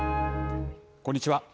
こんにちは。